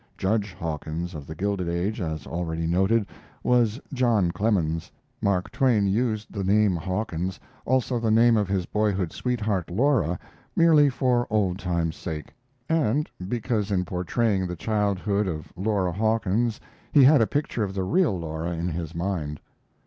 Judge Hawkins of The Gilded Age, as already noted, was John Clemens. Mark Twain used the name Hawkins, also the name of his boyhood sweetheart, Laura, merely for old times' sake, and because in portraying the childhood of Laura Hawkins he had a picture of the real Laura in his mind.